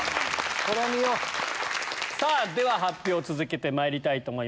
見よう！では発表続けてまいりたいと思います。